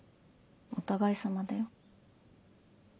お互いさまだよ。